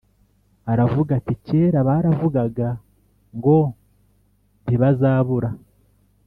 Aravuga ati Kera baravugaga ngo ntibazabura